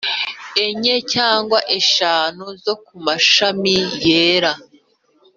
enye cyangwa eshanu zo ku mashami yera.